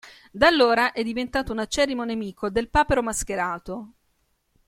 Da allora è diventato un acerrimo nemico del papero mascherato.